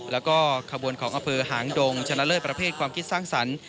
และก็ขบวนของอำเภอหางดงชะละเลิศประเภทความคิดตรวจสั้น